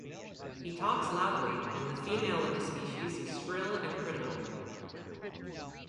He talks loudly, and the female of his species is shrill and critical.